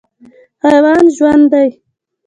حیوان ژوند دی.